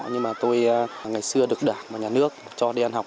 chưa được đảng và nhà nước cho đi ăn học